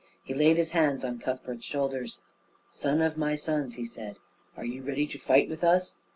He laid his hands on Cuthbert's shoulders. "Son of my sons," he said, "are you ready to fight with us?"